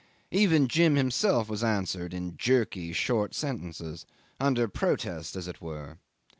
Even Jim himself was answered in jerky short sentences, under protest as it were.